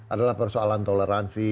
adalah persoalan toleransi